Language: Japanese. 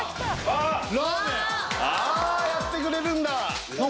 やってくれるんだ。